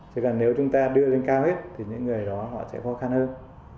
chỉ cần nếu chúng ta đưa lên cao hết thì những người đó họ sẽ khó khăn hơn